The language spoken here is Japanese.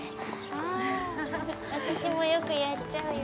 ああ私もよくやっちゃうよ。